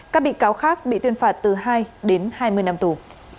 các bị cáo khác bị tuyên phạt từ hai đến hai mươi năm tù